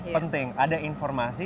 penting ada informasi